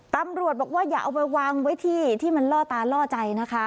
ตำรวจบอกว่าอย่าเอาไปวางไว้ที่ที่มันล่อตาล่อใจนะคะ